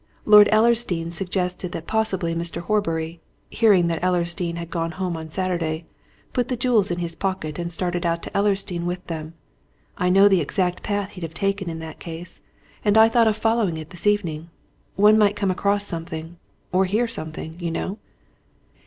"Lord Ellersdeane suggested that possibly Mr. Horbury, hearing that the Ellersdeanes had got home on Saturday, put the jewels in his pocket and started out to Ellersdeane with them. I know the exact path he'd have taken in that case, and I thought of following it this evening one might come across something, or hear something, you know."